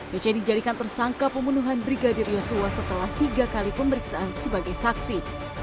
yang jadi jadikan tersangka pembunuhan brigadir yosua setelah tiga kali pemeriksaan sebagai saksi